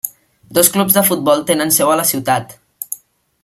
Dos clubs de futbol tenen seu a la ciutat.